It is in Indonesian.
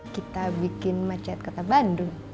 kita bikin macet kota bandung